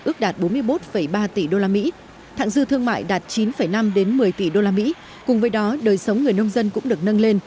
ước đạt bốn mươi một ba tỷ usd thạng dư thương mại đạt chín năm một mươi tỷ usd cùng với đó đời sống người nông dân cũng được nâng lên